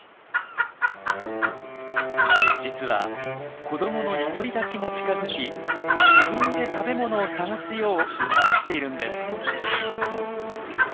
実は子どもの独り立ちが近づき自分で食べ物を探すよう促しているんです。